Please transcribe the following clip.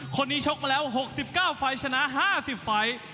ชกมาแล้ว๖๙ไฟล์ชนะ๕๐ไฟล์